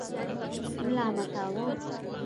ملامتاوه.